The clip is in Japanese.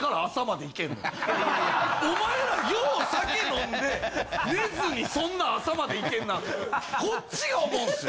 お前らよう酒飲んで寝ずにそんな朝までいけるなんてこっちが思うんすよ。